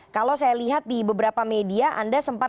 kalau saya lihat di beberapa media anda sempat